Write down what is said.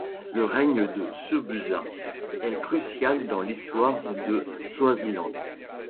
Le règne de Sobhuza est crucial dans l'histoire du Swaziland.